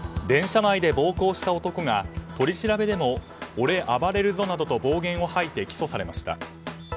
電車内で暴行した男が取り調べでも俺、暴れるぞなどと暴言を吐いて起訴されました。